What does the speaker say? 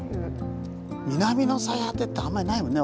「南の最果て」ってあんまりないもんね